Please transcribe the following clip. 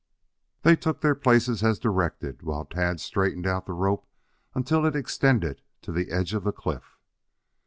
They took their places as directed, while Tad straightened out the rope until it extended to the edge of the cliff.